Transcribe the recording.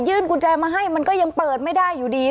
กุญแจมาให้มันก็ยังเปิดไม่ได้อยู่ดี